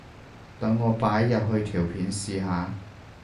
等我擺入去條片試下